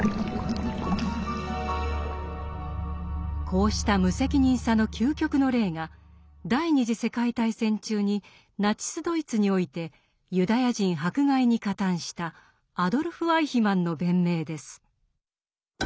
こうした無責任さの究極の例が第二次世界大戦中にナチスドイツにおいてユダヤ人迫害に加担したアドルフ・アイヒマンの弁明です。